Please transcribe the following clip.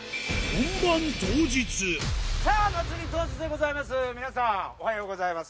さあ、祭り当日でございます。